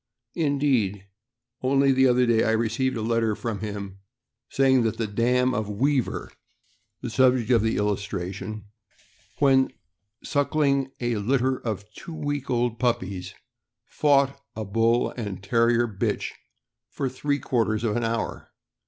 Indeed, only the 'other day, I received a letter from him saying that the dam THE AIREDALE TERRIER. 459 of Weaver, the subject of the illustration, when suckling a litter of two week old puppies, fought a Bull and Terrier bitch for three quarters of an hour.